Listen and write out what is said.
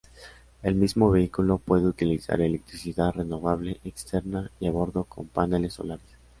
El mismo vehículo puede utilizar electricidad renovable externa y a bordo con paneles solares.